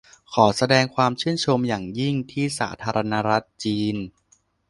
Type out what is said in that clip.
ขอแสดงความชื่นชมอย่างยิ่งที่สาธารณรัฐจีน